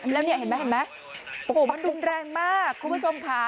แล้วเนี่ยเห็นไหมเห็นไหมมันรุนแรงมากคุณผู้ชมค่ะ